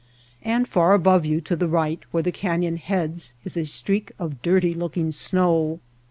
And far above you to the right where the canyon heads is a streak of dirty looking snow.